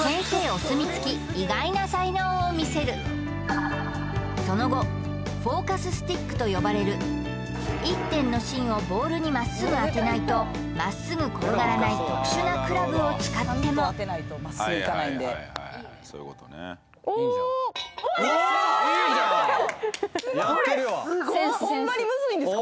お墨付き意外な才能を見せるその後フォーカススティックと呼ばれる１点の芯をボールにまっすぐ当てないとまっすぐ転がらない特殊なクラブを使ってもセンスセンスほんまにむずいんです